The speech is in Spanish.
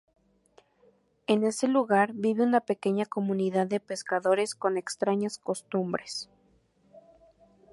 En ese lugar vive una pequeña comunidad de pescadores con extrañas costumbres.